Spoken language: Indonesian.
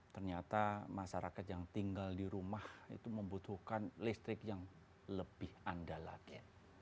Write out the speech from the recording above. ternyata masyarakat yang tinggal di rumah itu membutuhkan listrik yang lebih andal lagi